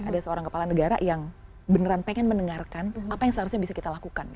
ada seorang kepala negara yang beneran pengen mendengarkan apa yang seharusnya bisa kita lakukan